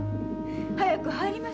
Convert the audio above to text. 早く入りましょう。